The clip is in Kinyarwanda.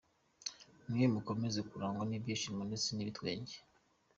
Mwe mukomeze kurangwa n’ibyishimo ndetse n’ibitwenge.